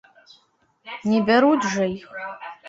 Не бяруць жа іх.